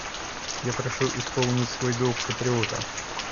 Я прошу исполнить свой долг патриота.